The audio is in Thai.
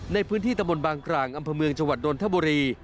ในพื้นที่ตะมนต์บางกร่างอำภาเมืองจังหวัดนวลธบุรี